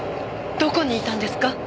どこにいたんですか？